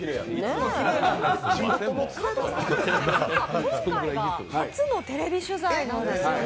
今回が初のテレビ取材なんですよね。